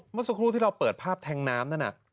เมื่อสักครู่ที่เราเปิดภาพแทงน้ำนั่นน่ะ